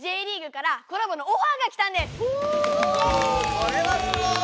これはすごい！